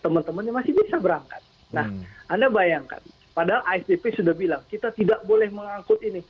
teman temannya masih bisa berangkat nah anda bayangkan padahal asdp sudah bilang kita tidak boleh mengangkut ini